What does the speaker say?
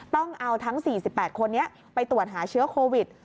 ต้องเอาทั้ง๔๘คนนี้ไปตรวจหาเชื้อโควิด